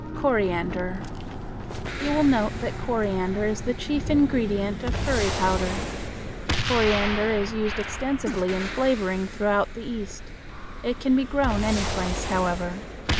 Coriander. You will note that coriander is the chief ingredient of curry powder. Coriander is used extensively in flavoring throughout the East. It can be grown any place, however.